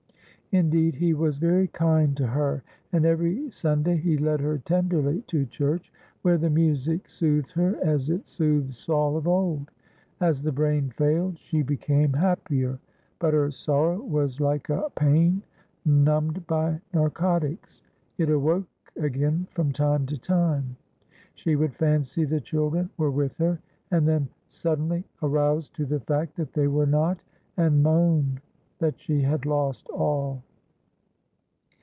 Indeed he was very kind to her, and every Sunday he led her tenderly to church, where the music soothed her as it soothed Saul of old. As the brain failed, she became happier, but her sorrow was like a pain numbed by narcotics; it awoke again from time to time. She would fancy the children were with her, and then suddenly arouse to the fact that they were not, and moan that she had lost all.